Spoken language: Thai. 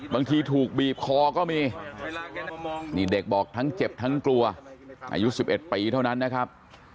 บางทีถูกบีบคอก็มีนี่เด็กบอกทั้งเจ็บทั้งกลัวอายุ๑๑ปีเท่านั้นนะครับ